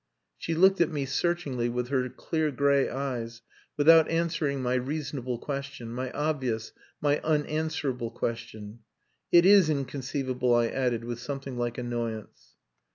She looked at me searchingly with her clear grey eyes, without answering my reasonable question my obvious, my unanswerable question. "It is inconceivable," I added, with something like annoyance.